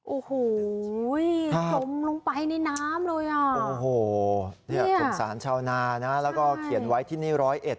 โอ้โหสงสารชาวนานะแล้วก็เขียนไว้ที่นี่ร้อยเอ็ด